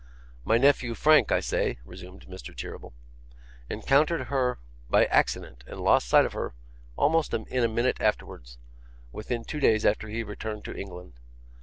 ' My nephew, Frank, I say,' resumed Mr. Cheeryble, 'encountered her by accident, and lost sight of her almost in a minute afterwards, within two days after he returned to England.